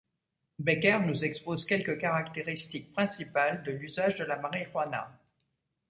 Becker nous expose quelques caractéristiques principales de l’usage de la marijuana.